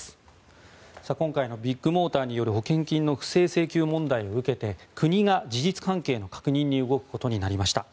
今回のビッグモーターによる保険金の不正請求問題を受けて国が事実関係の確認に動くことになりました。